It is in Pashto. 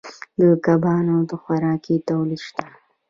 د کبانو د خوراکې تولید شته